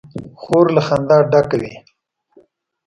خور له خندا ډکه وي.